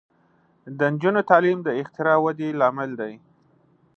د نجونو تعلیم د اختراع ودې لامل دی.